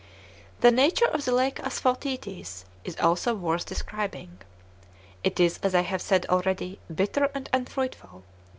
4. The nature of the lake Asphaltites is also worth describing. It is, as I have said already, bitter and unfruitful.